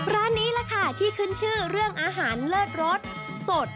ร้านนี้แหละค่ะที่ขึ้นชื่อเรื่องอาหารเลิศรสสด